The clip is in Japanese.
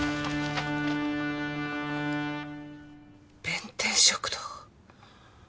弁天食堂。